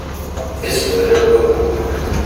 tazwara n wayyur